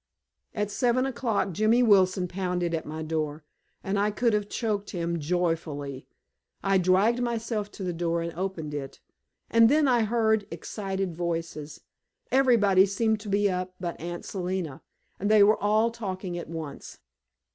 At seven o'clock Jimmy Wilson pounded at my door, and I could have choked him joyfully. I dragged myself to the door and opened it, and then I heard excited voices. Everybody seemed to be up but Aunt Selina, and they were all talking at once.